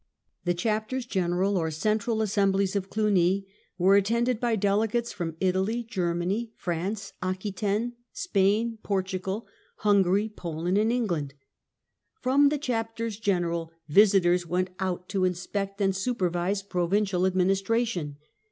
The chapters general or central assemblies of Cluny were attended by delegates from Italy, Germany, France, Aquitaine, Spain, Portugal, Hungary, Poland and England. From the chapters general " visitors." went out to inspect and supervise provincial administration.